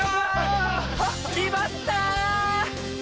きまった！